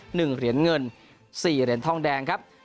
เหรียญเงินสี่เหรียญทองแดงครับ